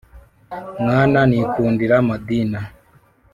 mwana nikundira madina